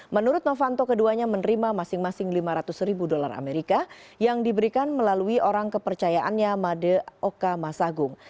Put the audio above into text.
menurut novanto keduanya menerima masing masing lima ratus ribu dolar amerika yang diberikan melalui orang kepercayaannya made oka masagung